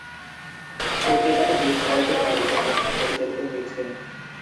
পত্রিকাটি বেশ কয়েকজন মালিকের মাধ্যমে পরিচালিত হয়েছে।